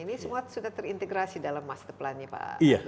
ini semua sudah terintegrasi dalam master plan nya pak